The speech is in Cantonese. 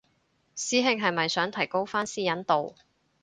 師兄係咪想提高返私隱度